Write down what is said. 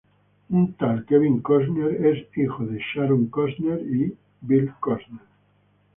Kevin Costner es hijo de Bill Costner y Sharon Costner.